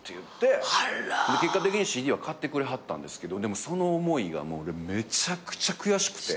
結果的にＣＤは買ってくれはったんですけどでもその思いが俺めちゃくちゃ悔しくて。